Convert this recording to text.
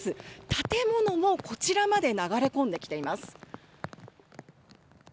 建物もこちらまで流れ込んできています。